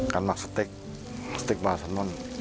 การหมักสเต็กสเต็กปลาสัลมอน